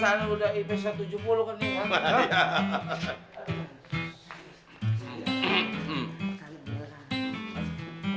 sakit beneran saat ini udah ip satu ratus tujuh puluh kan nih